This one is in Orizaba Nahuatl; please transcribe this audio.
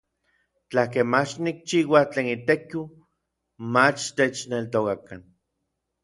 Tlakej mach nikchiua tlen itekiu, mach techneltokakan.